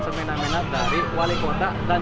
semena mena dari wali kota dan